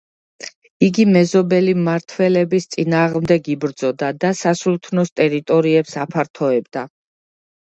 იგი მეზობელი მმართველების წინააღმდეგ იბრძოდა და სასულთნოს ტერიტორიებს აფართოებდა.